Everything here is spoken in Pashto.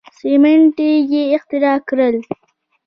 سیمنټ یې اختراع کړل.